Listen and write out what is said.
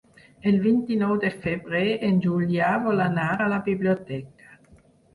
El vint-i-nou de febrer en Julià vol anar a la biblioteca.